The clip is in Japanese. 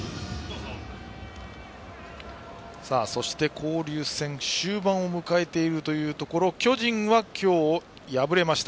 交流戦終盤を迎えているというところ巨人は今日、敗れました。